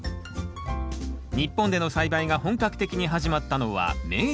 日本での栽培が本格的に始まったのは明治時代。